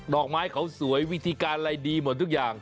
อกไม้เขาสวยวิธีการอะไรดีหมดทุกอย่าง